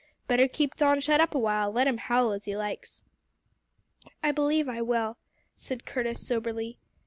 Better keep Don shut up awhile, let him howl as he likes." "I believe I will," said Curtis soberly.